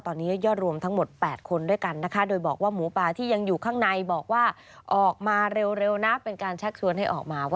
ตอนนี้ยอดรวมทั้งหมด๘คนด้วยกันนะคะโดยบอกว่าหมูป่าที่ยังอยู่ข้างในบอกว่าออกมาเร็วนะเป็นการชักชวนให้ออกมาว่า